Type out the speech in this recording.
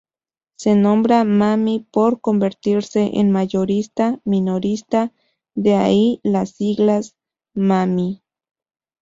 Se nombra MaMi por convertirse en Mayorista-Minorista, de ahí la sigla MaMi.